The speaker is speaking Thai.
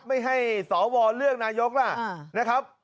ไม่ให้สวเลือกนายกล่ะนะครับ